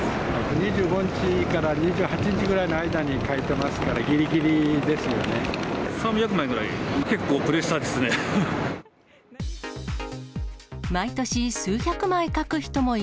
２５日から２８日ぐらいの間に書いてますから、３００枚ぐらい。